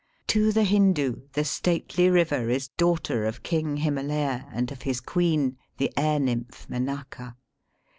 To the Hindoo the stately river is daughter of King Himalaya and of his Queen, the air nymph Menaka.